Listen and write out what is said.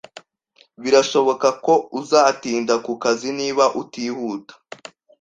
Birashoboka ko uzatinda kukazi niba utihuta.